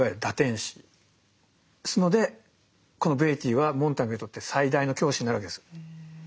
ですのでこのベイティーはモンターグにとって最大の教師になるわけです。